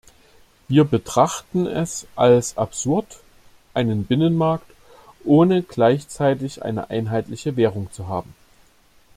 Wir betrachten es als absurd, einen Binnenmarkt ohne gleichzeitig eine einheitliche Währung zu haben.